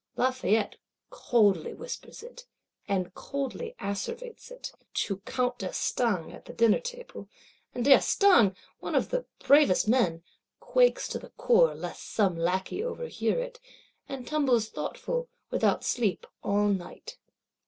Lafayette coldly whispers it, and coldly asseverates it, to Count d'Estaing at the Dinner table; and d'Estaing, one of the bravest men, quakes to the core lest some lackey overhear it; and tumbles thoughtful, without sleep, all night.